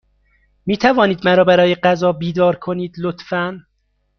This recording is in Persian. می توانید مرا برای غذا بیدار کنید، لطفا؟